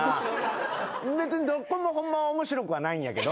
別にどっこもホンマは面白くはないんやけど。